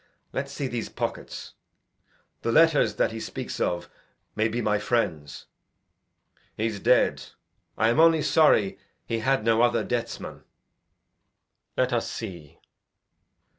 Let's see his pockets; these letters that he speaks of May be my friends. He's dead. I am only sorry He had no other deathsman. Let us see.